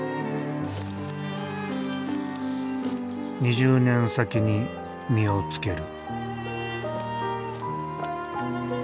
２０年先に実をつける。